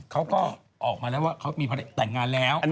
เขาก้ออกมาแล้วว่าเธอตาการงานแล้ว